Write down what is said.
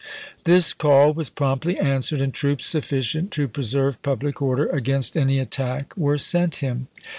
This call was promptly answered, and troops sufficient to preserve public order against any attack were sent him.